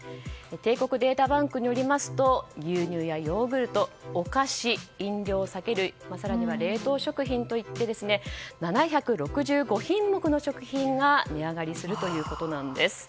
帝国データバンクによりますと牛乳やヨーグルトお菓子、飲料、酒類更には冷凍食品など７６５品目の食品が値上がりするということです。